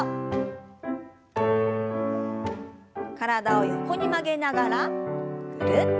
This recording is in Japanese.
体を横に曲げながらぐるっと。